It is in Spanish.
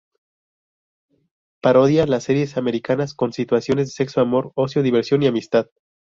Parodia las series americanas con situaciones de sexo, amor, ocio, diversión y amistad.